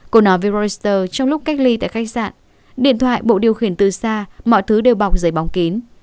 cô nói vibroster trong lúc cách ly tại khách sạn điện thoại bộ điều khiển từ xa mọi thứ đều bọc giấy bóng kín